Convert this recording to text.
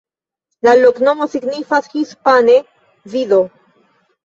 La loknomo signifas hispane: vido.